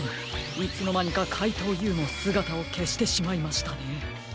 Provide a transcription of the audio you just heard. いつのまにかかいとうＵもすがたをけしてしまいましたね。